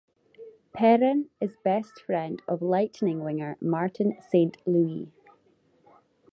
Perrin is best friend of Lightning winger Martin Saint Louis.